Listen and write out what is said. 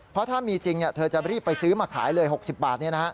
เพราะถ้ามีจริงเธอจะรีบไปซื้อมาขายเลย๖๐บาท